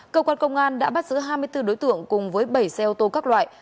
cơ quan công an đã bắt giữ hai mươi bốn đối tượng cùng với bảy xe ô tô các loại